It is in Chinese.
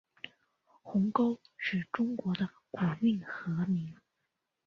鸿沟是中国的古运河名。